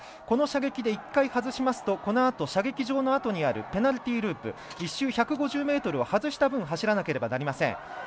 この射撃で１回はずしますと射撃場のあとにあるペナルティーループ１周、１発外した分走らなければなりません。